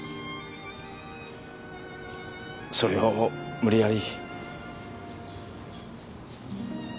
それを無理やり。